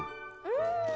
うん！